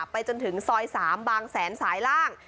ไปจนถึงซอย๓บางแสนสายล่าง